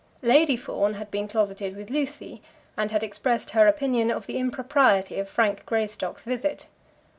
Lady Fawn had been closeted with Lucy, and had expressed her opinion of the impropriety of Frank Greystock's visit.